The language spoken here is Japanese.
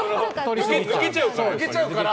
抜けちゃうから。